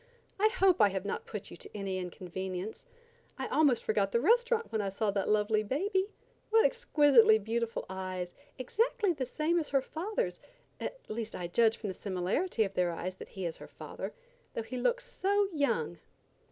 I hope I have not put you to any inconvenience. I almost forgot the restaurant when I saw that lovely baby. What exquisitely beautiful eyes! Exactly the same as her father's, at least I judge from the similarity of their eyes that he is her father, though he looks so young."